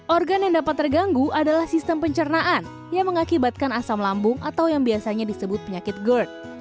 organ yang dapat terganggu adalah sistem pencernaan yang mengakibatkan asam lambung atau yang biasanya disebut penyakit gerd